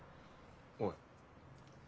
おい。